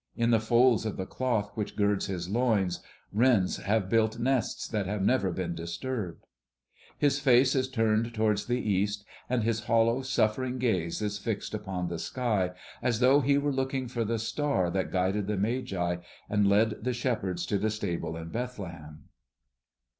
In the folds of the cloth which girds his loins wrens have built nests that have never been disturbed. His face is turned toward the East; and his hollow, suffering gaze is fixed upon the sky, as though he were looking for the star that guided the Magi and led the shepherds to the stable in Bethlehem.